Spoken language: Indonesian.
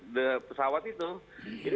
jadi semua bisa dilakukan identifikasi